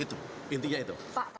itu intinya itu